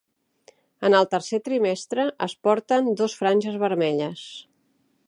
En el tercer trimestre es porten dos franges vermelles.